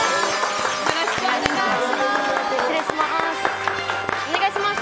よろしくお願いします。